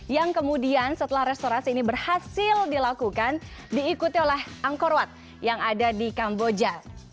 yang kemudian setelah restorasi ini berhasil dilakukan diikuti oleh angkor wat yang ada di kamboja